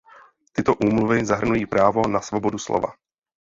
Tyto úmluvy zahrnují právo na svobodu slova.